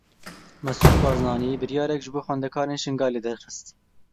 Mesrûr Barzanî biryarek ji bo xwendekarên Şingalê derxist.